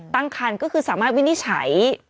ตั้งคันก็คือสามารถวินิจฉัย